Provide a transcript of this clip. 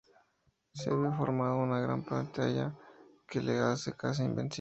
Se había formado una gran plantilla que le hace casi invencible.